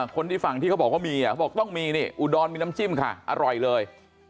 คนที่ฝั่งที่เขาบอกว่ามีเขาบอกต้องมีนี่อุดรมีน้ำจิ้มค่ะอร่อยเลย